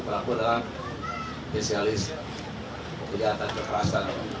pelaku adalah spesialis kekerasan